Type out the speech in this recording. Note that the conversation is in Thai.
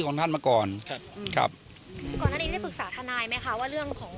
ออกลงทนายตั้มดูคดีดุป่าด้วย